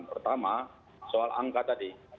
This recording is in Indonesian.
pertama soal angka tadi